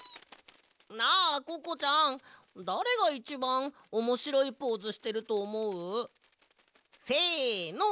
なあココちゃんだれがいちばんおもしろいポーズしてるとおもう？せの。